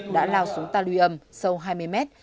đã lao xuống talium sâu hai mươi mét